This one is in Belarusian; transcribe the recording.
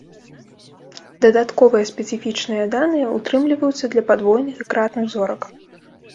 Дадатковыя спецыфічныя даныя ўтрымліваюцца для падвойных і кратных зорак.